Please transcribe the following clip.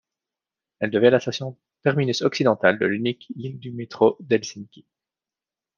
Elle devient la station terminus occidental de l'unique ligne du métro d'Helsinki.